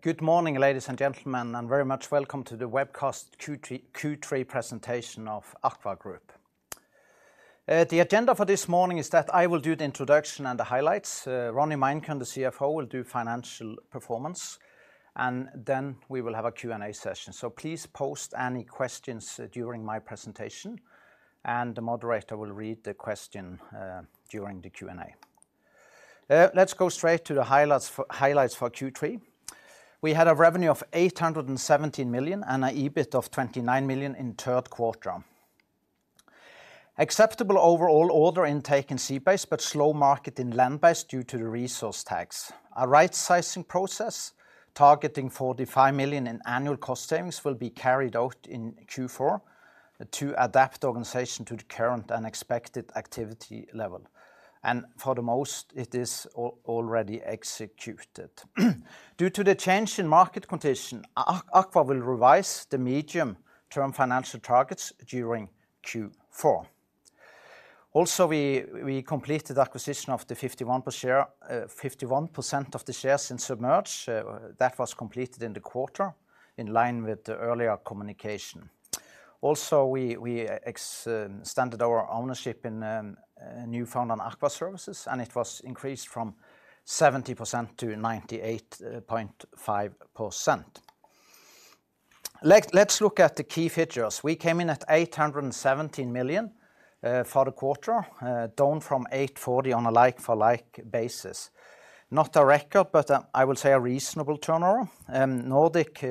Good morning, ladies and gentlemen, and very much welcome to the webcast Q3 presentation of AKVA group. The agenda for this morning is that I will do the introduction and the highlights. Ronny Meinkøhn, the CFO, will do financial performance, and then we will have a Q&A session. So please post any questions during my presentation, and the moderator will read the question during the Q&A. Let's go straight to the highlights for Q3. We had a revenue of 817 million and an EBIT of 29 million in third quarter. Acceptable overall order intake in Sea Based, but slow market in Land Based due to the resource tax. Our rightsizing process, targeting 45 million in annual cost savings, will be carried out in Q4 to adapt the organization to the current and expected activity level, and for the most, it is already executed. Due to the change in market condition, AKVA will revise the medium-term financial targets during Q4. Also, we completed the acquisition of the 51% of the shares in Submerged. That was completed in the quarter, in line with the earlier communication. Also, we extended our ownership in Newfoundland Aqua Services, and it was increased from 70% to 98.5%. Let's look at the key features. We came in at 817 million for the quarter, down from 840 million on a like-for-like basis. Not a record, but I will say a reasonable turnover. Nordic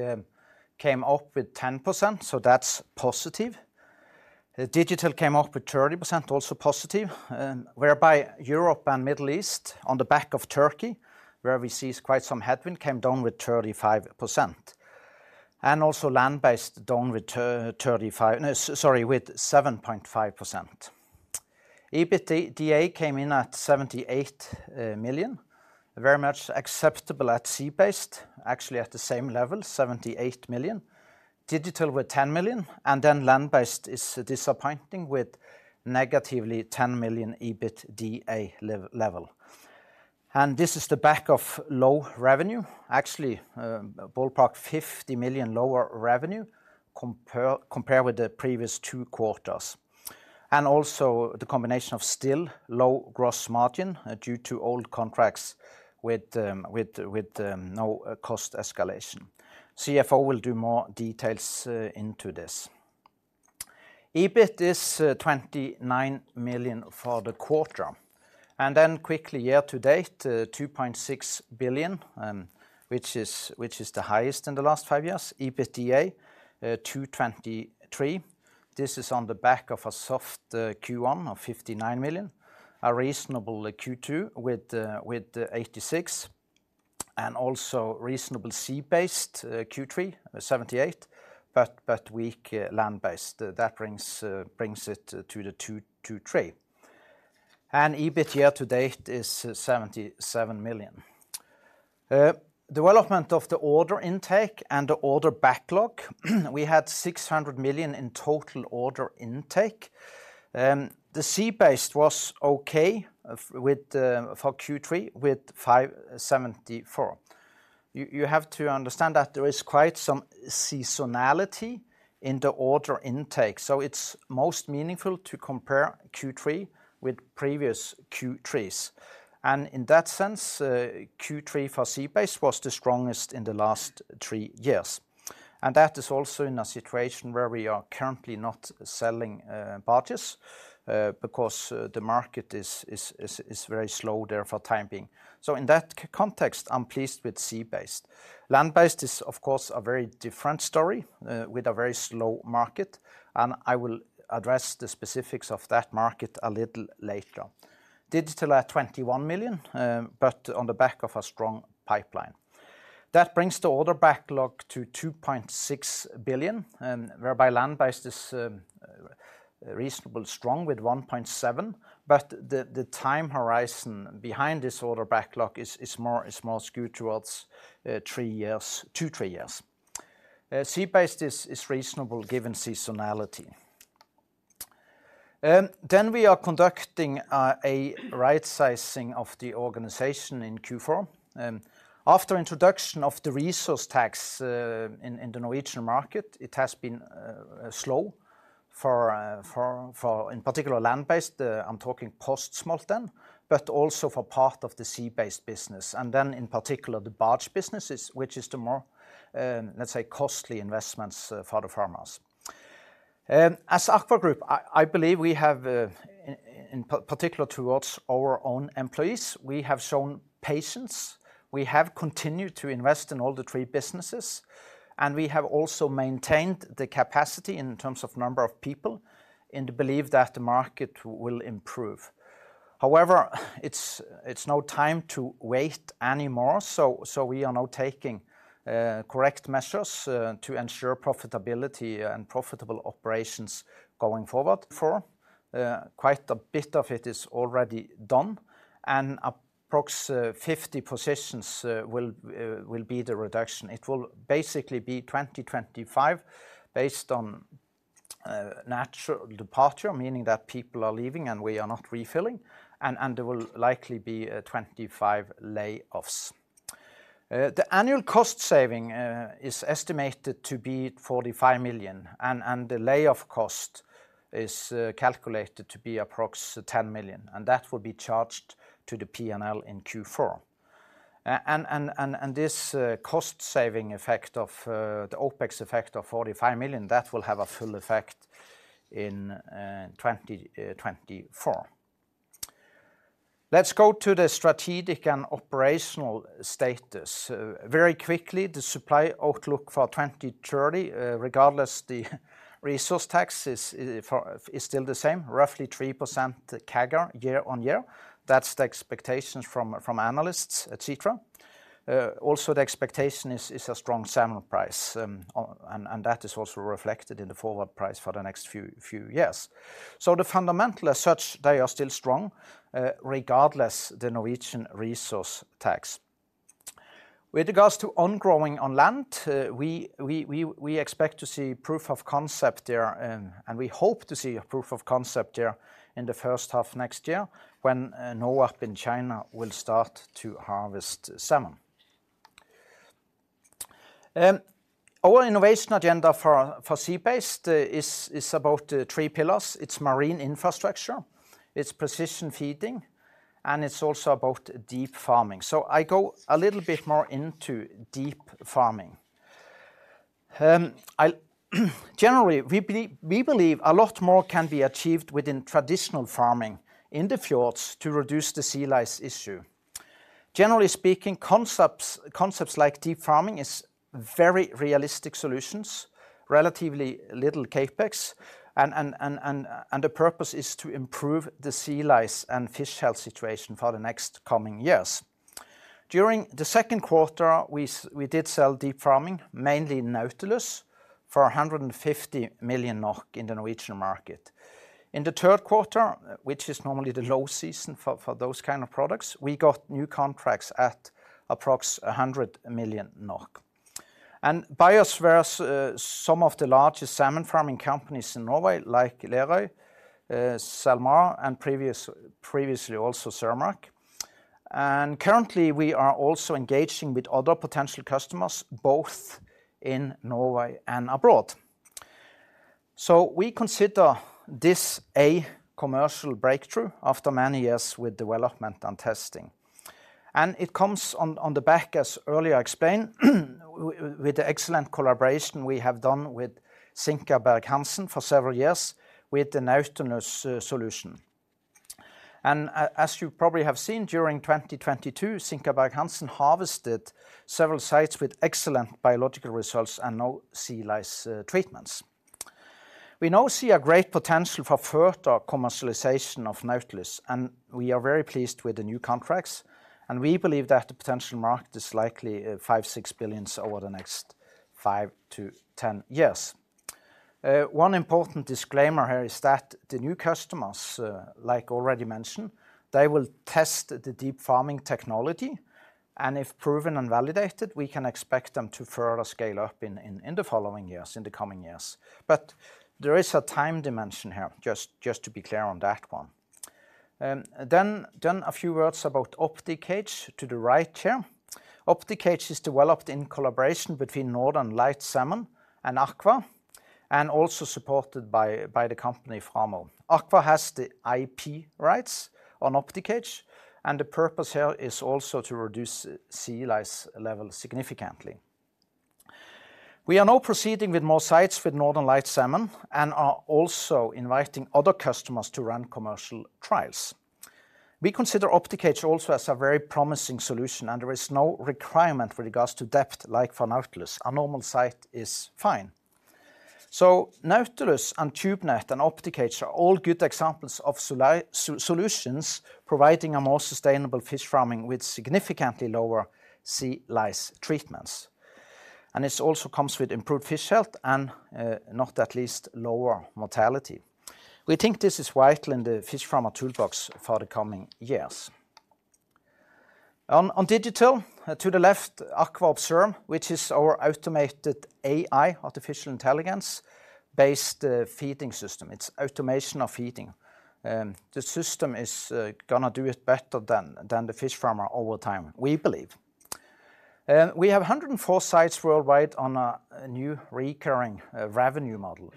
came up with 10%, so that's positive. Digital came up with 30%, also positive, whereby Europe and Middle East, on the back of Turkey, where we see quite some headwind, came down with 35%. And also Land Based, down with 35%... No, sorry, with 7.5%. EBITDA came in at 78 million, very much acceptable at Sea Based, actually at the same level, 78 million. Digital with 10 million, and then Land Based is disappointing, with negatively 10 million EBITDA level. And this is the back of low revenue, actually, ballpark 50 million lower revenue, compared with the previous two quarters. And also the combination of still low gross margin due to old contracts with, with, with, no cost escalation. CFO will do more details into this. EBIT is 29 million for the quarter, and then quickly, year to date, 2.6 billion, which is, which is the highest in the last five years. EBITDA, 223 million. This is on the back of a soft Q1 of 59 million, a reasonable Q2 with 86 million, and also reasonable Sea Based Q3, 78 million, but weak Land Based. That brings it to the 223 million. And EBIT year to date is 77 million. Development of the order intake and the order backlog. We had 600 million in total order intake. The Sea Based was okay with for Q3, with 574 million. You have to understand that there is quite some seasonality in the order intake, so it's most meaningful to compare Q3 with previous Q3s. In that sense, Q3 for Sea Based was the strongest in the last three years. That is also in a situation where we are currently not selling barges because the market is very slow there for the time being. So in that context, I'm pleased with Sea Based. Land Based is, of course, a very different story with a very slow market, and I will address the specifics of that market a little later. Digital at 21 million, but on the back of a strong pipeline. That brings the order backlog to 2.6 billion, whereby Land Based is reasonable strong with 1.7 billion, but the time horizon behind this order backlog is more skewed towards two-three years. Sea Based is reasonable, given seasonality. Then we are conducting a rightsizing of the organization in Q4. After introduction of the resource tax in the Norwegian market, it has been slow for, in particular, land-based. I'm talking post-smolt, but also for part of the sea-based business, and then in particular, the barge businesses, which is the more, let's say, costly investments for the farmers. As AKVA group, I believe we have, in particular towards our own employees, we have shown patience, we have continued to invest in all the three businesses, and we have also maintained the capacity in terms of number of people, in the belief that the market will improve. However, it's no time to wait anymore, so we are now taking correct measures to ensure profitability and profitable operations going forward for quite a bit of it is already done, and approx 50 positions will be the reduction. It will basically be 20-25, based on natural departure, meaning that people are leaving and we are not refilling, and there will likely be 25 layoffs. The annual cost saving is estimated to be 45 million, and the layoff cost is calculated to be approx 10 million, and that will be charged to the P&L in Q4. And this cost saving effect of the OpEx effect of 45 million, that will have a full effect in 2024. Let's go to the strategic and operational status. Very quickly, the supply outlook for 2030, regardless the resource tax, is still the same, roughly 3% CAGR year-over-year. That's the expectations from analysts, et cetera. Also the expectation is a strong salmon price, and that is also reflected in the forward price for the next few years. So the fundamentals as such, they are still strong, regardless the Norwegian resource tax. With regards to ongrowing on land, we expect to see proof of concept there, and we hope to see a proof of concept there in the first half next year, when Nordic Aqua Partners in China will start to harvest salmon. Our innovation agenda for sea-based is about the three pillars. It's marine infrastructure, it's precision feeding, and it's also about deep farming. So I go a little bit more into deep farming. Generally, we believe a lot more can be achieved within traditional farming in the fjords to reduce the sea lice issue. Generally speaking, concepts, concepts like deep farming is very realistic solutions, relatively little CapEx, and the purpose is to improve the sea lice and fish health situation for the next coming years. During the second quarter, we did sell deep farming, mainly Nautilus, for 150 million NOK in the Norwegian market. In the third quarter, which is normally the low season for those kind of products, we got new contracts at approx 100 million NOK. Buyers were some of the largest salmon farming companies in Norway, like Lerøy, SalMar, and previously also Cermaq. Currently, we are also engaging with other potential customers, both in Norway and abroad. So we consider this a commercial breakthrough after many years with development and testing. It comes on the back, as earlier explained, with the excellent collaboration we have done with SinkabergHansen for several years, with the Nautilus solution. As you probably have seen, during 2022, SinkabergHansen harvested several sites with excellent biological results and no sea lice treatments. We now see a great potential for further commercialization of Nautilus, and we are very pleased with the new contracts, and we believe that the potential market is likely 5-6 billion NOK over the next five to 10 years. One important disclaimer here is that the new customers, like already mentioned, they will test the deep farming technology, and if proven and validated, we can expect them to further scale up in the following years, in the coming years. But there is a time dimension here, to be clear on that one. Then a few words about OptiCage, to the right here. OptiCage is developed in collaboration between Northern Lights Salmon and AKVA, and also supported by the company Framo. AKVA has the IP rights on OptiCage, and the purpose here is also to reduce sea lice level significantly. We are now proceeding with more sites with Northern Lights Salmon and are also inviting other customers to run commercial trials. We consider OptiCage also as a very promising solution, and there is no requirement with regards to depth, like for Nautilus. A normal site is fine. So Nautilus and TubeNet and OptiCage are all good examples of solutions providing a more sustainable fish farming with significantly lower sea lice treatments. And this also comes with improved fish health and, not at least, lower mortality. We think this is vital in the fish farmer toolbox for the coming years. On digital, to the left, AKVA Observe, which is our automated AI, artificial intelligence based feeding system. It's automation of feeding, the system is gonna do it better than the fish farmer over time, we believe. We have 104 sites worldwide on a new recurring revenue model.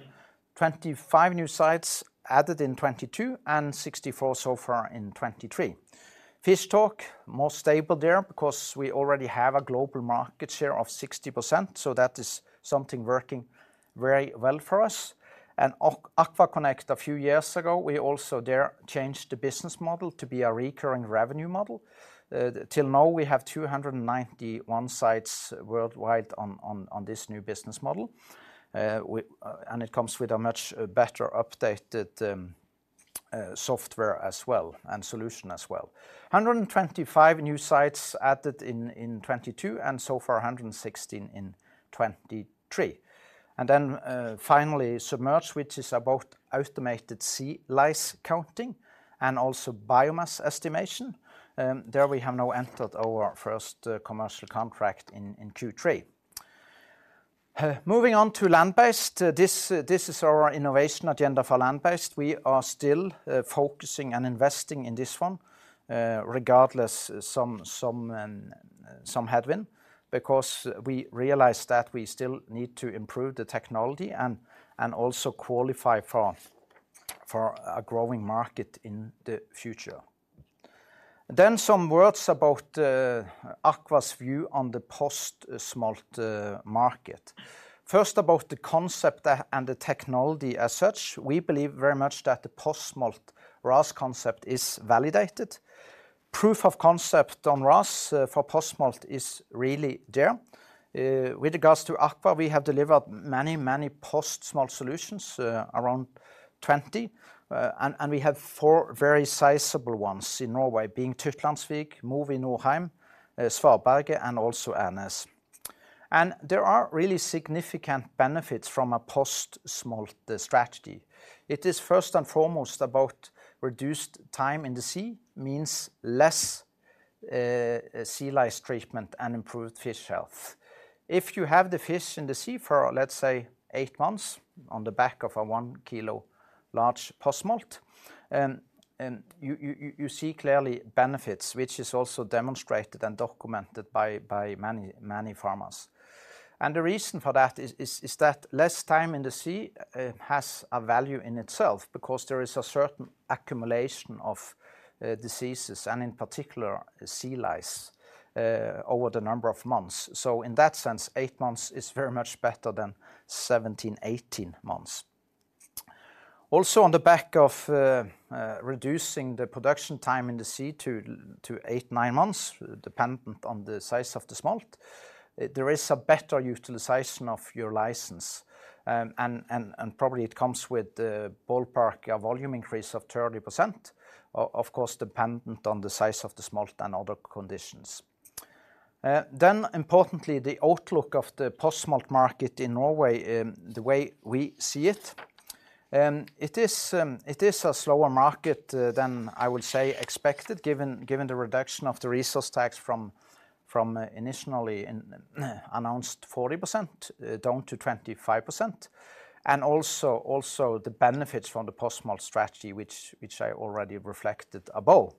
25 new sites added in 2022, and 64 so far in 2023. Fishtalk, more stable there because we already have a global market share of 60%, so that is something working very well for us. And AKVA Connect, a few years ago, we also there changed the business model to be a recurring revenue model. Till now, we have 291 sites worldwide on this new business model. And it comes with a much better updated software as well and solution as well. 125 new sites added in 2022, and so far, 116 in 2023. And then, finally, Submerged, which is about automated sea lice counting and also biomass estimation. There we have now entered our first commercial contract in Q3. Moving on to land-based, this is our innovation agenda for land-based. We are still focusing and investing in this one, regardless some headwind, because we realize that we still need to improve the technology and also qualify for a growing market in the future. Then some words about AKVA's view on the post-smolt market. First, about the concept and the technology as such, we believe very much that the post-smolt RAS concept is validated. Proof of concept on RAS for post-smolt is really there. With regards to AKVA, we have delivered many post-smolt solutions, around 20, and we have four very sizable ones in Norway, being Tytlandsvik, Mowi Norheim, Svaberget, and also Ærnes. And there are really significant benefits from a post-smolt strategy. It is first and foremost about reduced time in the sea, means less sea lice treatment and improved fish health. If you have the fish in the sea for, let's say, eight months, on the back of a 1 kg large post-smolt, and you see clearly benefits, which is also demonstrated and documented by many farmers. And the reason for that is that less time in the sea has a value in itself, because there is a certain accumulation of diseases, and in particular, sea lice, over the number of months. So in that sense, eight months is very much better than 17-18 months. Also, on the back of reducing the production time in the sea to eight-nine months, dependent on the size of the smolt, there is a better utilization of your license. And probably it comes with the ballpark, a volume increase of 30%, of course, dependent on the size of the smolt and other conditions. Then importantly, the outlook of the post-smolt market in Norway, the way we see it, it is, it is a slower market than I would say expected, given the reduction of the resource tax from initially announced 40%, down to 25%, and also the benefits from the post-smolt strategy, which I already reflected above.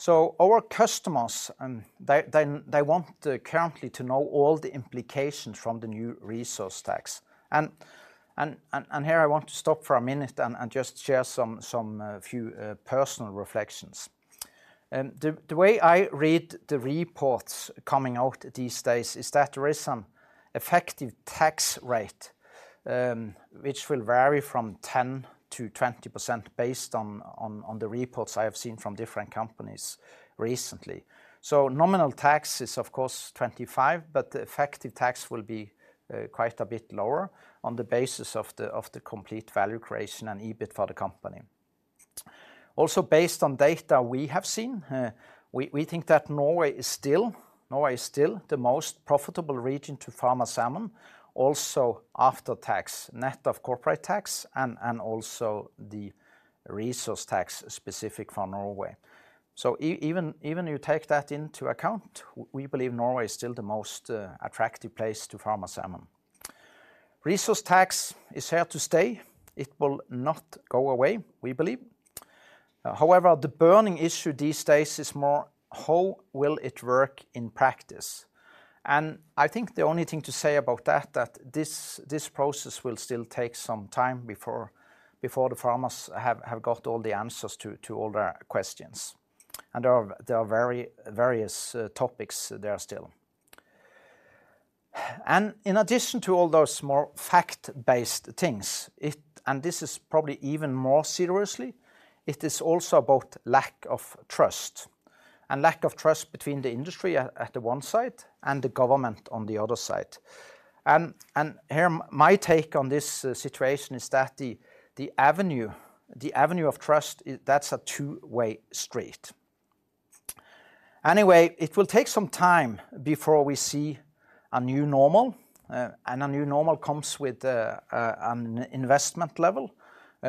So our customers, and they want currently to know all the implications from the new resource tax. And here I want to stop for a minute and just share some few personal reflections. The way I read the reports coming out these days is that there is an effective tax rate, which will vary from 10%-20%, based on the reports I have seen from different companies recently. So nominal tax is of course 25%, but the effective tax will be quite a bit lower on the basis of the complete value creation and EBIT for the company. Also, based on data we have seen, we think that Norway is still the most profitable region to farm salmon, also after tax, net of corporate tax, and also the resource tax specific for Norway. So even, even you take that into account, we believe Norway is still the most attractive place to farm salmon. Resource tax is here to stay. It will not go away, we believe. However, the burning issue these days is more, how will it work in practice? And I think the only thing to say about that is that this process will still take some time before the farmers have got all the answers to all their questions. And there are various topics there still. And in addition to all those more fact-based things, and this is probably even more seriously, it is also about lack of trust. And lack of trust between the industry at the one side and the government on the other side. And here, my take on this situation is that the avenue of trust, that's a two-way street. Anyway, it will take some time before we see a new normal, and a new normal comes with an investment level,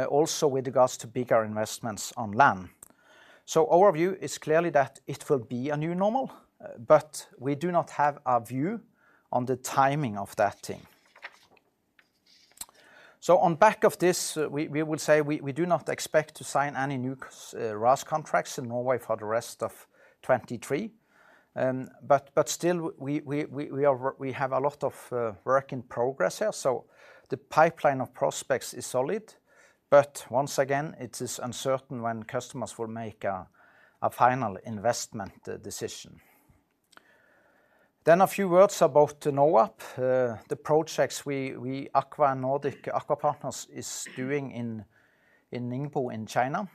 also with regards to bigger investments on land. So our view is clearly that it will be a new normal, but we do not have a view on the timing of that thing. So on back of this, we will say we do not expect to sign any new RAS contracts in Norway for the rest of 2023. But still, we have a lot of work in progress here, so the pipeline of prospects is solid. But once again, it is uncertain when customers will make a final investment decision. A few words about the NOAP, the projects Nordic Aqua Partners is doing in Ningbo, in China.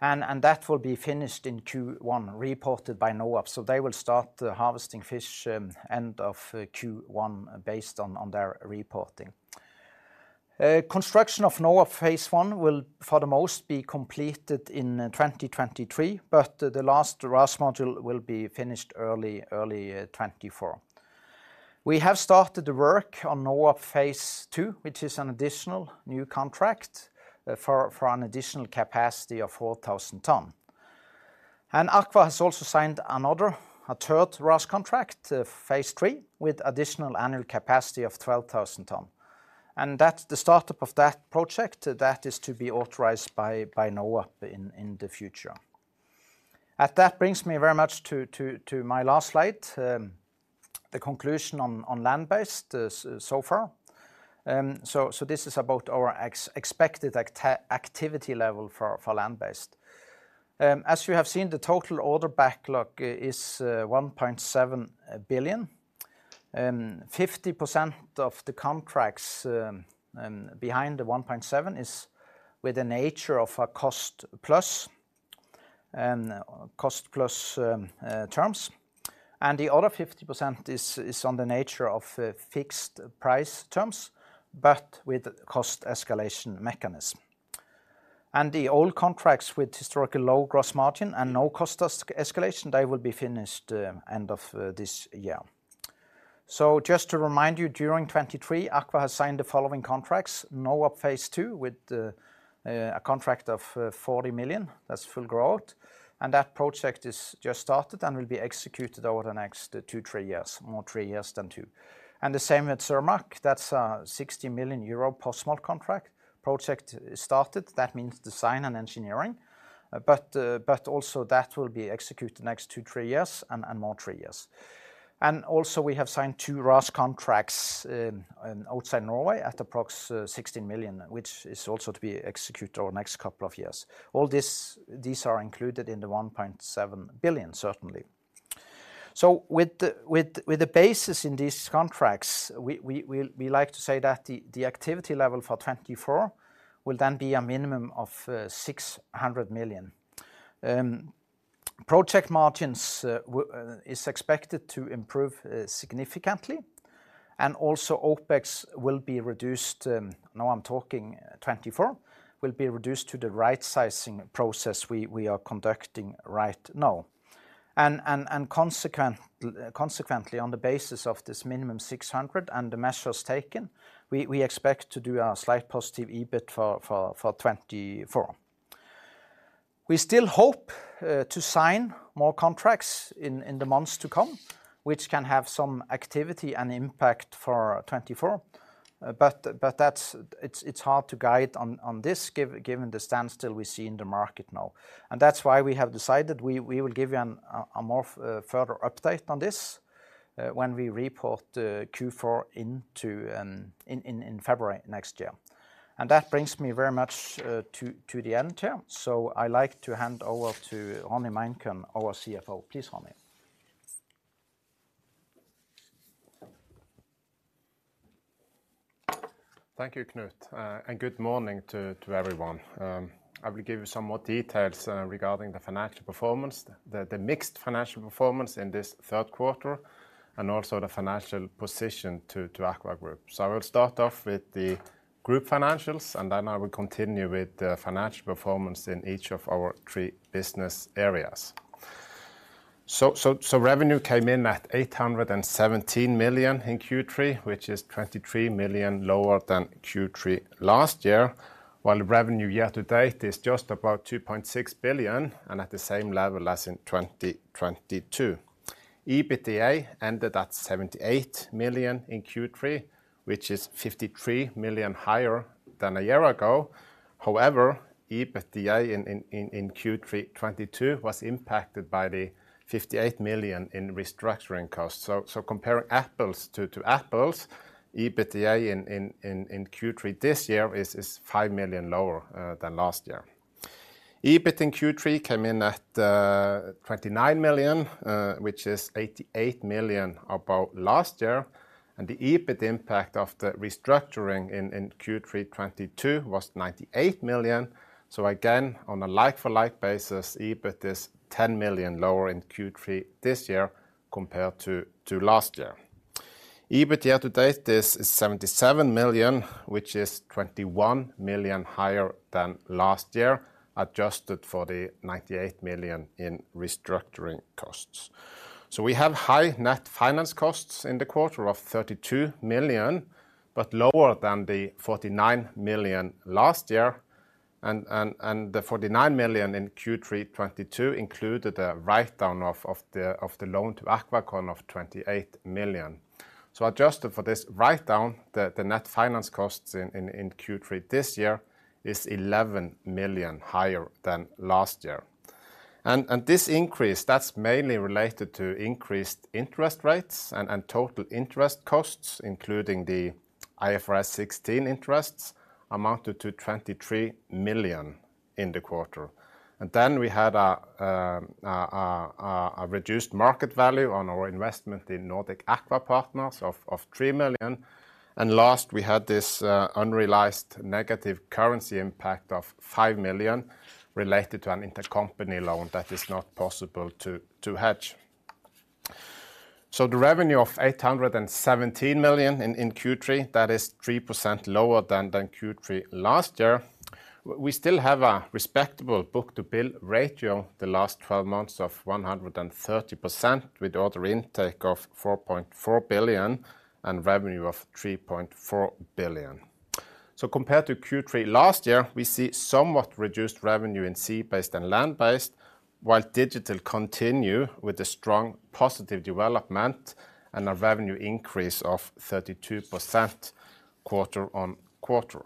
And that will be finished in Q1, reported by NOAP. So they will start harvesting fish end of Q1, based on their reporting. Construction of NOAP Phase One will, for the most, be completed in 2023, but the last RAS module will be finished early 2024. We have started the work on NOAP Phase Two, which is an additional new contract for an additional capacity of 4,000 tons. And AKVA has also signed another, a third RAS contract, phase three, with additional annual capacity of 12,000 tons. And that, the startup of that project, that is to be authorized by NOAP in the future. That brings me very much to my last slide, the conclusion on land-based so far. So this is about our expected activity level for land-based. As you have seen, the total order backlog is 1.7 billion. 50% of the contracts behind the 1.7 billion is with the nature of a cost-plus terms. And the other 50% is on the nature of fixed price terms, but with cost escalation mechanism. And the old contracts with historically low gross margin and no cost escalation, they will be finished end of this year. So just to remind you, during 2023, AKVA has signed the following contracts: NOAP Phase Two, with a contract of 40 million, that's full growth, and that project is just started and will be executed over the next two-three years, more three years than two. And the same with Cermaq, that's a 60 million euro post-smolt contract. Project started, that means design and engineering, but also that will be executed next two-three years and more three years. And also, we have signed two RAS contracts outside Norway at approx. 16 million, which is also to be executed over the next couple of years. All this—these are included in the 1.7 billion, certainly. So with the basis in these contracts, we like to say that the activity level for 2024 will then be a minimum of 600 million. Project margins is expected to improve significantly, and also OpEx will be reduced, now I'm talking 2024, will be reduced to the right sizing process we are conducting right now. Consequently, on the basis of this minimum 600 million and the measures taken, we expect to do a slight positive EBIT for 2024. We still hope to sign more contracts in the months to come, which can have some activity and impact for 2024. But that's, it's hard to guide on this, given the standstill we see in the market now. And that's why we have decided we will give you a more further update on this when we report Q4 into in February next year. And that brings me very much to the end here. So I'd like to hand over to Ronny Meinkøhn, our CFO. Please, Ronny. Thank you, Knut, and good morning to everyone. I will give you some more details regarding the financial performance, the mixed financial performance in this third quarter, and also the financial position to AKVA group. So I will start off with the group financials, and then I will continue with the financial performance in each of our three business areas. So revenue came in at 817 million in Q3, which is 23 million lower than Q3 last year, while revenue year to date is just about 2.6 billion and at the same level as in 2022. EBITDA ended at 78 million in Q3, which is 53 million higher than a year ago. However, EBITDA in Q3 2022 was impacted by the 58 million in restructuring costs. So comparing apples to apples, EBITDA in Q3 this year is 5 million lower than last year. EBIT in Q3 came in at 29 million, which is 88 million above last year, and the EBIT impact of the restructuring in Q3 2022 was 98 million. So again, on a like-for-like basis, EBIT is 10 million lower in Q3 this year compared to last year. EBIT year to date is 77 million, which is 21 million higher than last year, adjusted for the 98 million in restructuring costs. So we have high net finance costs in the quarter of 32 million, but lower than the 49 million last year, and the 49 million in Q3 2022 included a write-down of the loan to AquaCon of 28 million. So adjusted for this write-down, the net finance costs in Q3 this year is 11 million higher than last year. And this increase, that's mainly related to increased interest rates and total interest costs, including the IFRS 16 interests, amounted to 23 million in the quarter. And then we had a reduced market value on our investment in Nordic Aqua Partners of 3 million. And last, we had this unrealized negative currency impact of 5 million related to an intercompany loan that is not possible to hedge. So the revenue of 817 million in Q3, that is 3% lower than Q3 last year. We still have a respectable book-to-bill ratio the last 12 months of 130%, with order intake of 4.4 billion and revenue of 3.4 billion. Compared to Q3 last year, we see somewhat reduced revenue in Sea Based and Land Based, while Digital continue with a strong positive development and a revenue increase of 32% quarter-on-quarter.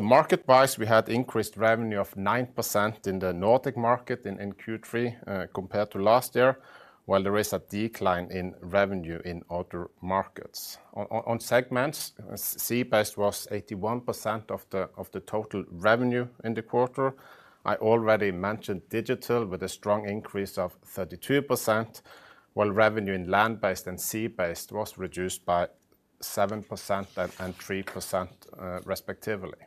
Market-wise, we had increased revenue of 9% in the Nordic market in Q3 compared to last year, while there is a decline in revenue in other markets. On segments, Sea Based was 81% of the total revenue in the quarter. I already mentioned Digital with a strong increase of 32%, while revenue in Land Based and Sea Based was reduced by 7% and 3% respectively.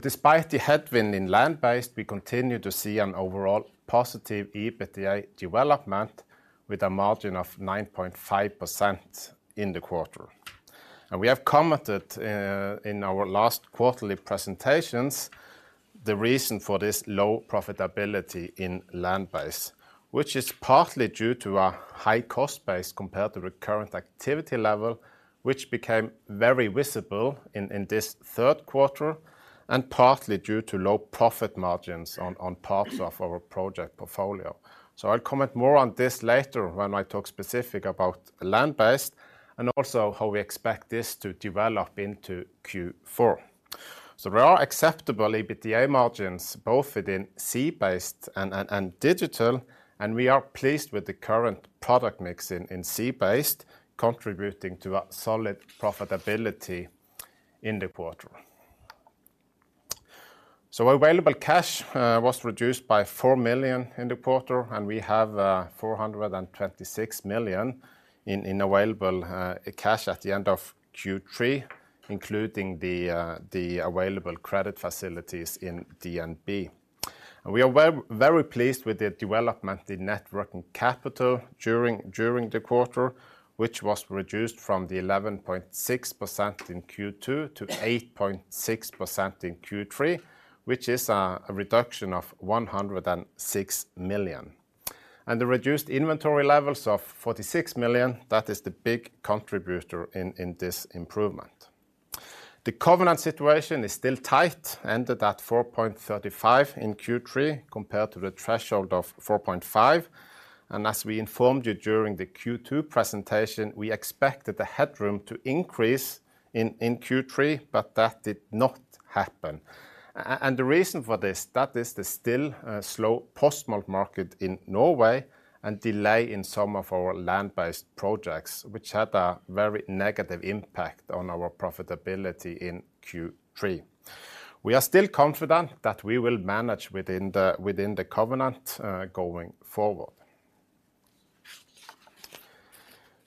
Despite the headwind in Land Based, we continue to see an overall positive EBITDA development with a margin of 9.5% in the quarter. We have commented in our last quarterly presentations the reason for this low profitability in Land Based, which is partly due to a high-cost base compared to the current activity level, which became very visible in this third quarter, and partly due to low profit margins on parts of our project portfolio. I'll comment more on this later when I talk specific about Land Based, and also how we expect this to develop into Q4. There are acceptable EBITDA margins, both within Sea Based and Digital, and we are pleased with the current product mix in Sea Based, contributing to a solid profitability in the quarter. So available cash was reduced by 4 million in the quarter, and we have 426 million in available cash at the end of Q3, including the available credit facilities in DNB. And we are very, very pleased with the development in net working capital during the quarter, which was reduced from 11.6% in Q2 to 8.6% in Q3, which is a reduction of 106 million. And the reduced inventory levels of 46 million, that is the big contributor in this improvement. The covenant situation is still tight, ended at 4.35 in Q3, compared to the threshold of 4.5. And as we informed you during the Q2 presentation, we expected the headroom to increase in Q3, but that did not happen. And the reason for this, that is the still slow post-smolt market in Norway and delay in some of our land-based projects, which had a very negative impact on our profitability in Q3. We are still confident that we will manage within the covenant going forward.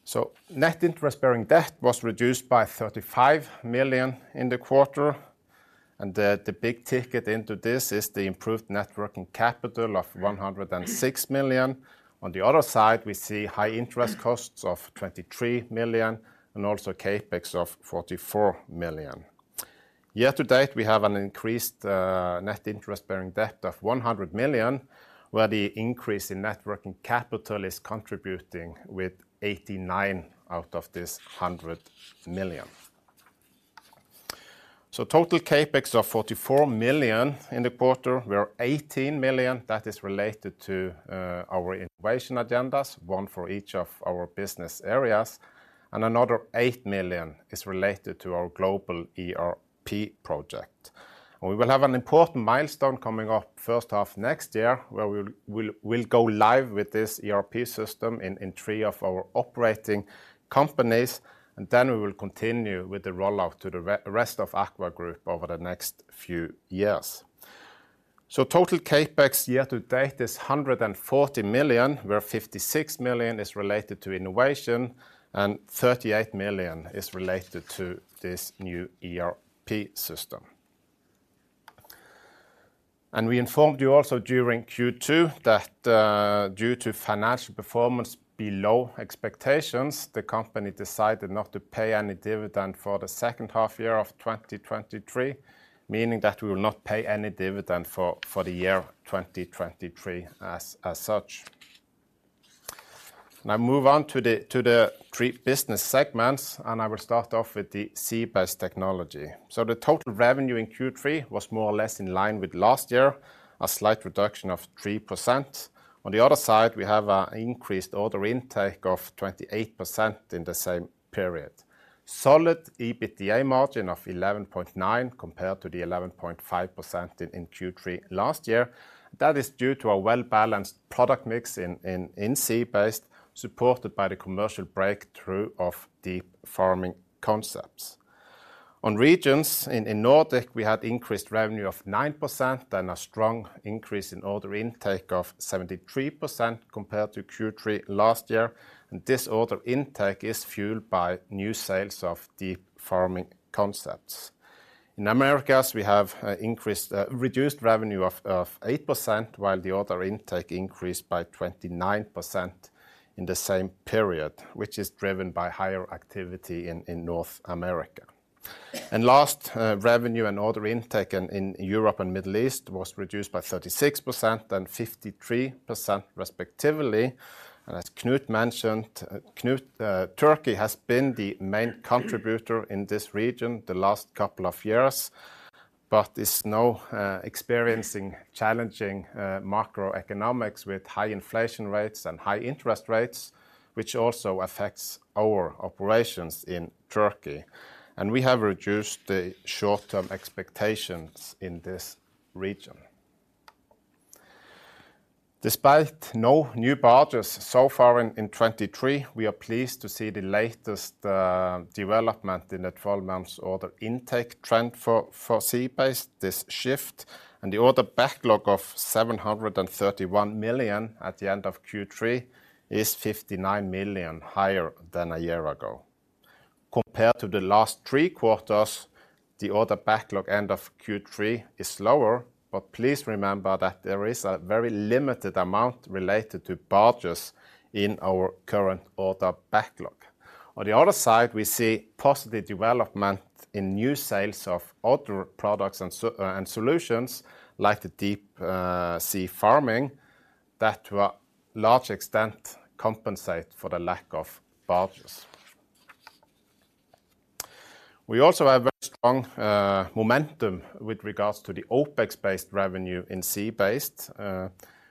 So net interest-bearing debt was reduced by 35 million in the quarter, and the big ticket into this is the improved net working capital of 106 million. On the other side, we see high interest costs of 23 million and also CapEx of 44 million. Year to date, we have an increased net interest-bearing debt of 100 million, where the increase in net working capital is contributing with 89 million out of this 100 million. So total CapEx of 44 million in the quarter, where 18 million, that is related to our innovation agendas, one for each of our business areas, and another 8 million is related to our global ERP project. And we will have an important milestone coming up first half next year, where we'll go live with this ERP system in three of our operating companies, and then we will continue with the rollout to the rest of AKVA group over the next few years. So total CapEx year to date is 140 million, where 56 million is related to innovation and 38 million is related to this new ERP system. We informed you also during Q2 that, due to financial performance below expectations, the company decided not to pay any dividend for the second half year of 2023, meaning that we will not pay any dividend for the year 2023 as such. Now move on to the three business segments, and I will start off with the Sea Based Technology. The total revenue in Q3 was more or less in line with last year, a slight reduction of 3%. On the other side, we have an increased order intake of 28% in the same period. Solid EBITDA margin of 11.9%, compared to the 11.5% in Q3 last year. That is due to a well-balanced product mix in Sea Based, supported by the commercial breakthrough of deep farming concepts. On regions, in Nordic, we had increased revenue of 9% and a strong increase in order intake of 73% compared to Q3 last year, and this order intake is fueled by new sales of deep farming concepts. In Americas, we have reduced revenue of 8%, while the order intake increased by 29% in the same period, which is driven by higher activity in North America. And last, revenue and order intake in Europe and Middle East was reduced by 36% and 53% respectively. And as Knut mentioned, Turkey has been the main contributor in this region the last couple of years, but is now experiencing challenging macroeconomics with high inflation rates and high interest rates, which also affects our operations in Turkey. We have reduced the short-term expectations in this region. Despite no new barges so far in 2023, we are pleased to see the latest development in the 12-month order intake trend for sea-based this shift, and the order backlog of 731 million at the end of Q3 is 59 million higher than a year ago. Compared to the last three quarters, the order backlog end of Q3 is lower, but please remember that there is a very limited amount related to barges in our current order backlog. On the other side, we see positive development in new sales of other products and so and solutions, like the deep sea farming, that to a large extent compensate for the lack of barges. We also have very strong momentum with regards to the OpEx-based revenue in sea-based,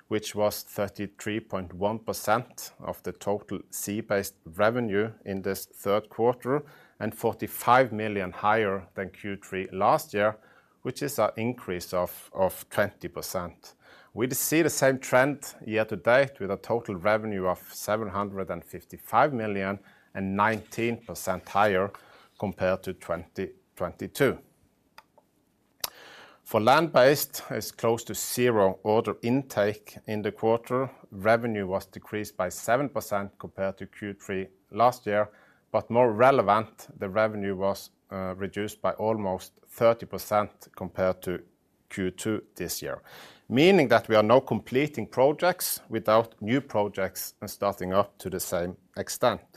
which was 33.1% of the total sea-based revenue in this third quarter, and 45 million higher than Q3 last year, which is an increase of 20%. We see the same trend year to date, with a total revenue of 755 million and 19% higher compared to 2022. For land-based, it's close to zero order intake in the quarter. Revenue was decreased by 7% compared to Q3 last year, but more relevant, the revenue was reduced by almost 30% compared to Q2 this year. Meaning that we are now completing projects without new projects and starting up to the same extent.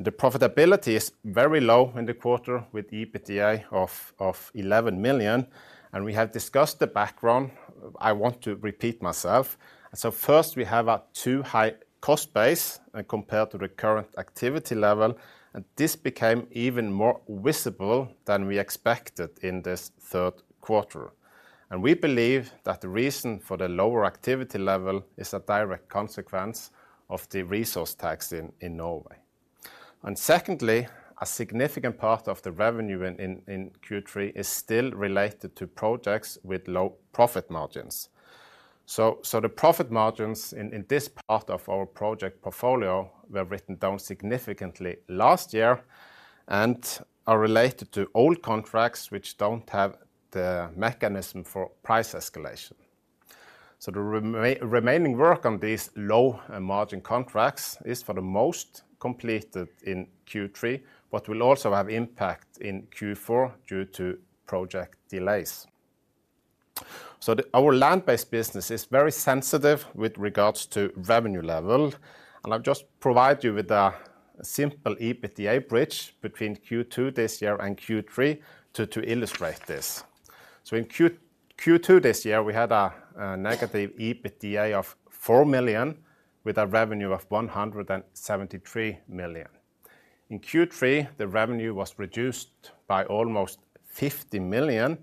The profitability is very low in the quarter, with EBITDA of 11 million, and we have discussed the background. I want to repeat myself. So first, we have a too high cost base compared to the current activity level, and this became even more visible than we expected in this third quarter. And we believe that the reason for the lower activity level is a direct consequence of the resource tax in Norway. And secondly, a significant part of the revenue in Q3 is still related to projects with low profit margins. So the profit margins in this part of our project portfolio were written down significantly last year and are related to old contracts which don't have the mechanism for price escalation. So the remaining work on these low-margin contracts is for the most completed in Q3, but will also have impact in Q4 due to project delays. So our land-based business is very sensitive with regards to revenue level, and I'll just provide you with a simple EBITDA bridge between Q2 this year and Q3 to illustrate this. So in Q2 this year, we had a negative EBITDA of 4 million, with a revenue of 173 million. In Q3, the revenue was reduced by almost 50 million,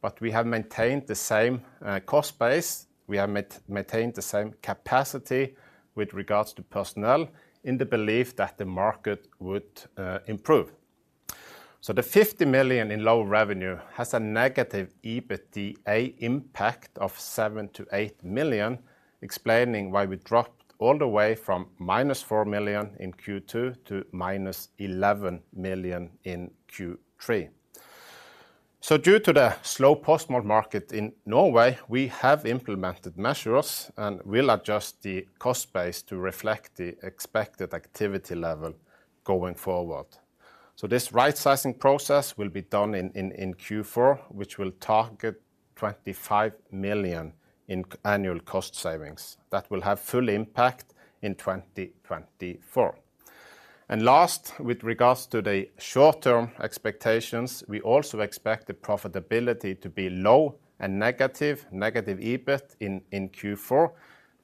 but we have maintained the same cost base. We have maintained the same capacity with regards to personnel in the belief that the market would improve. So the 50 million in low revenue has a negative EBITDA impact of 7 million-8 million, explaining why we dropped all the way from minus 4 million in Q2 to minus 11 million in Q3. Due to the slow post-smolt market in Norway, we have implemented measures and will adjust the cost base to reflect the expected activity level going forward. This right-sizing process will be done in Q4, which will target 25 million in annual cost savings. That will have full impact in 2024. Last, with regards to the short-term expectations, we also expect the profitability to be low and negative EBIT in Q4.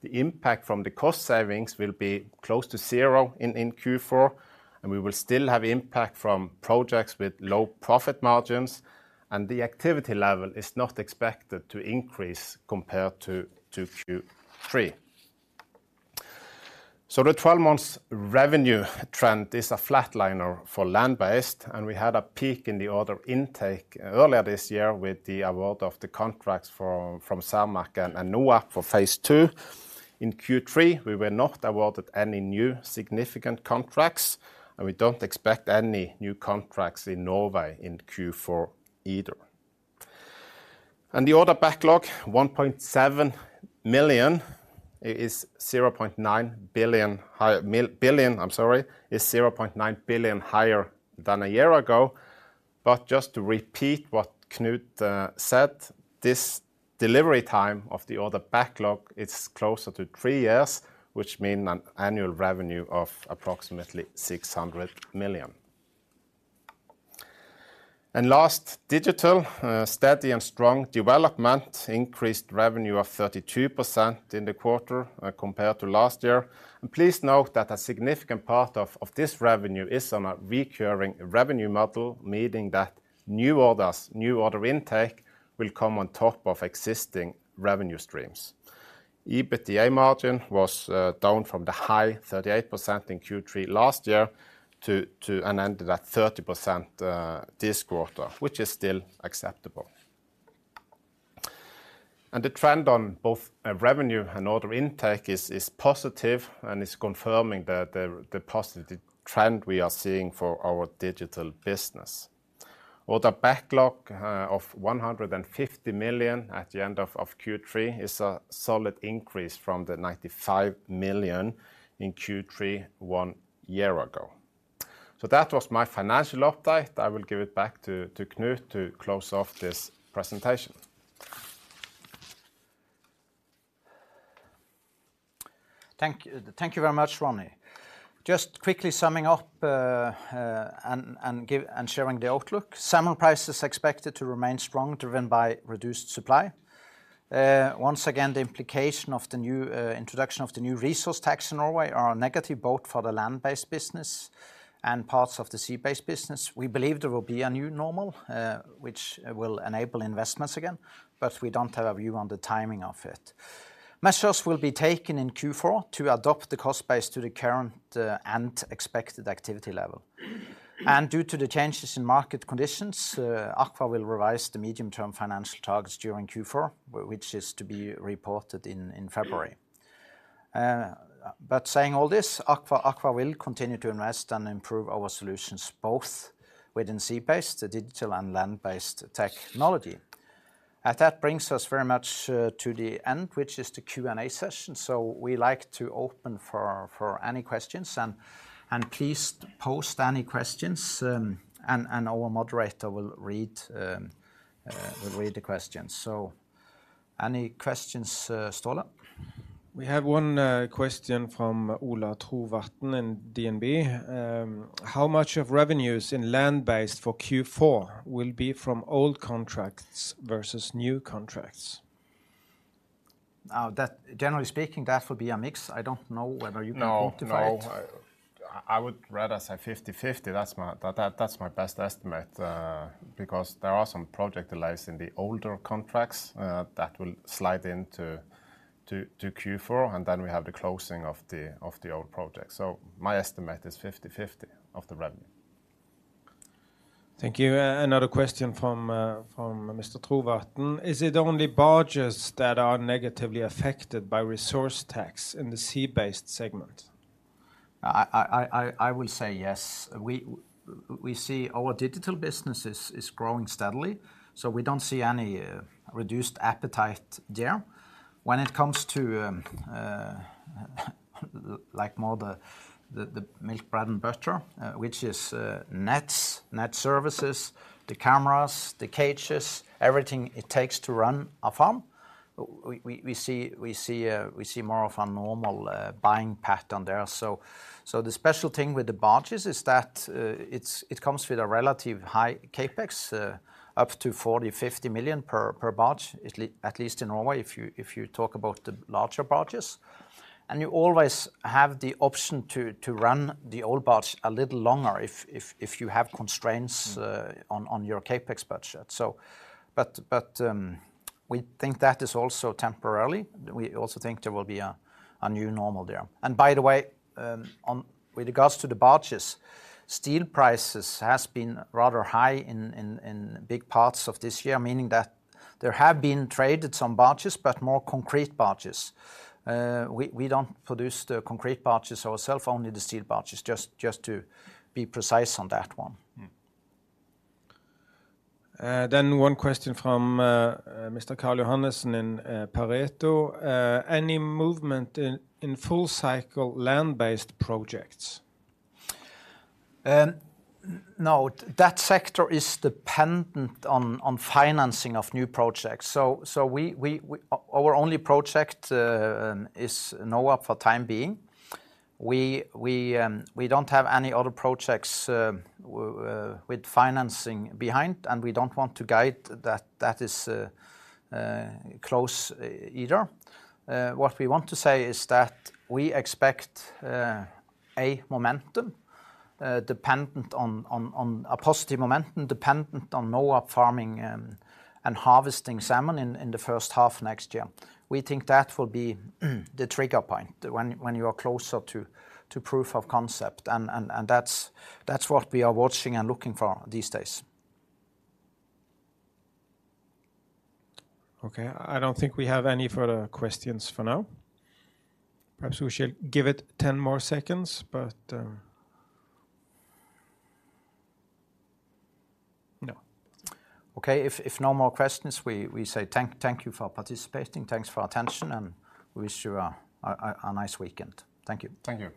The impact from the cost savings will be close to zero in Q4, and we will still have impact from projects with low profit margins, and the activity level is not expected to increase compared to Q3. So the 12-month revenue trend is a flatliner for land-based, and we had a peak in the order intake earlier this year with the award of the contracts from Cermaq and NOAP for Phase Two. In Q3, we were not awarded any new significant contracts, and we don't expect any new contracts in Norway in Q4 either. And the order backlog, 1.7 million, is 0.9 billion higher than a year ago, but just to repeat what Knut said, delivery time of the order backlog, it's closer to three years, which mean an annual revenue of approximately 600 million. And last, digital, steady and strong development, increased revenue of 32% in the quarter, compared to last year. Please note that a significant part of this revenue is on a recurring revenue model, meaning that new orders, new order intake, will come on top of existing revenue streams. EBITDA margin was down from the high 38% in Q3 last year to and ended at 30% this quarter, which is still acceptable. The trend on both revenue and order intake is positive and is confirming the positive trend we are seeing for our digital business. Order backlog of 150 million at the end of Q3 is a solid increase from the 95 million in Q3 one year ago. So that was my financial update. I will give it back to Knut to close off this presentation. Thank you. Thank you very much, Ronny. Just quickly summing up and sharing the outlook. Salmon prices expected to remain strong, driven by reduced supply. Once again, the implication of the new introduction of the new resource tax in Norway are negative, both for the land-based business and parts of the sea-based business. We believe there will be a new normal, which will enable investments again, but we don't have a view on the timing of it. Measures will be taken in Q4 to adapt the cost base to the current and expected activity level. Due to the changes in market conditions, AKVA will revise the medium-term financial targets during Q4, which is to be reported in February. But saying all this, AKVA will continue to invest and improve our solutions, both within sea-based, the digital, and land-based technology. And that brings us very much to the end, which is the Q&A session. So we like to open for any questions, and please post any questions, and our moderator will read the questions. So any questions, Ståle? We have one question from Ola Trovatn in DNB. How much of revenues in land-based for Q4 will be from old contracts versus new contracts? Generally speaking, that will be a mix. I don't know whether you can quantify it. No, no. I would rather say 50/50. That's my best estimate, because there are some project delays in the older contracts that will slide into Q4, and then we have the closing of the old project. So my estimate is 50/50 of the revenue. Thank you. Another question from Mr. Trovatn. Is it only barges that are negatively affected by resource tax in the sea-based segment? I will say yes. We see our digital business is growing steadily, so we don't see any reduced appetite there. When it comes to like more the milk, bread, and butter which is nets, net services, the cameras, the cages, everything it takes to run a farm, we see more of a normal buying pattern there. So the special thing with the barges is that it comes with a relative high CapEx up to 40 million-50 million per barge, at least in Norway, if you talk about the larger barges. And you always have the option to run the old barge a little longer if you have constraints on your CapEx budget. We think that is also temporarily. We also think there will be a new normal there. And by the way, with regards to the barges, steel prices has been rather high in big parts of this year, meaning that there have been traded some barges, but more concrete barges. We don't produce the concrete barges ourself, only the steel barges, just to be precise on that one. Then one question from Mr. Carl Johannessen in Pareto. Any movement in full-cycle land-based projects? No, that sector is dependent on financing of new projects. So, our only project is NOAP for the time being. We don't have any other projects with financing behind, and we don't want to guide that that is close, either. What we want to say is that we expect a momentum dependent on a positive momentum, dependent on NOAP farming and harvesting salmon in the first half next year. We think that will be the trigger point, when you are closer to proof of concept. That's what we are watching and looking for these days. Okay. I don't think we have any further questions for now. Perhaps we should give it 10 more seconds, but, no. Okay, if no more questions, we say thank you for participating. Thanks for your attention, and we wish you a nice weekend. Thank you. Thank you.